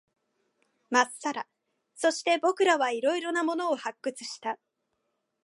まっさら。そして、僕らは色々なものを発掘した。